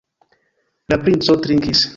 La princo trinkis.